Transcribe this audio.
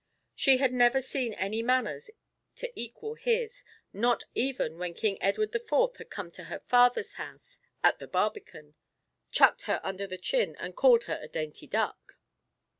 She had never seen any manners to equal his, not even when King Edward the Fourth had come to her father's house at the Barbican, chucked her under the chin, and called her a dainty duck!